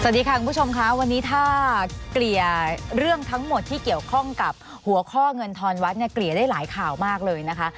สวัสดีค่ะคุณผู้ชมค่ะวันนี้ถ้าเกลี่ยเรื่องทั้งหมดที่เกี่ยวข้องกับหัวข้อเงินทอนวัดเนี่ยเกลี่ยได้หลายข่าวมากเลยนะคะ